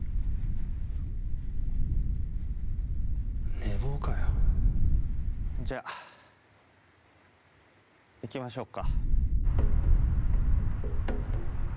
寝坊かよじゃ行きましょうか。